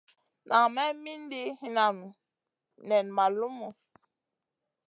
Nan me mindi hinanŋu nen ma lumu.